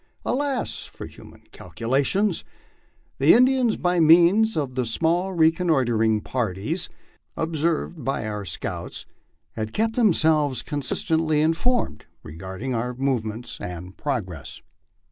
Alas for human cal culations! The Indians, by means of the small reconnoitring parties ob served by our scouts, had kept themselves constantly informed regarding our movements and progress.